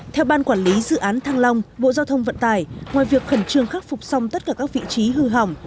theo ban quản lý dự án thăng long bộ giao thông vận tải ngoài việc khẩn trương khắc phục xong tất cả các vị trí hư hỏng